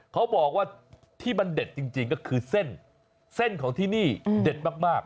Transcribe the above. เขาบอกว่าที่มันเด็ดจริงก็คือเส้นเส้นของที่นี่เด็ดมาก